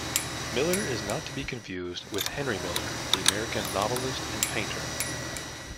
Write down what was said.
Miller is not to be confused with Henry Miller, the American novelist and painter.